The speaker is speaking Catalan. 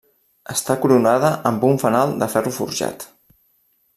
Està coronada amb un fanal de ferro forjat.